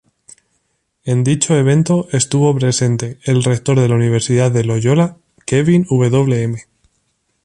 En dicho evento estuvo presente el rector de la Universidad de Loyola, Kevin Wm.